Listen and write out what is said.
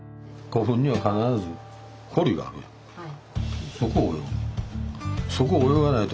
はい。